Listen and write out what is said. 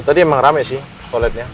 tadi emang rame sih toiletnya